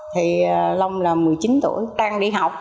thì long là một mươi chín tuổi đang đi học